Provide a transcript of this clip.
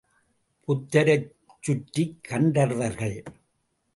புத்தரைச் சுற்றிக் கந்தர்வர்கள்.